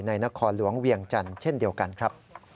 นครหลวงเวียงจันทร์เช่นเดียวกันครับ